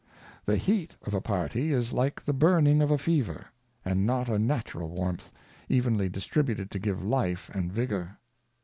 The Heat of a Party is like the Burning of a Fever ; and not a Natural Warmth, evenly distributed to give Life and Vigor.